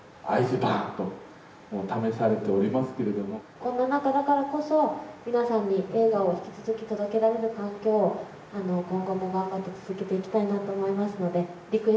こんな中だからこそ皆さんに映画を引き続き届けられる環境を今後も頑張って続けていきたいなと思いますので。